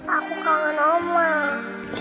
aku kangen ma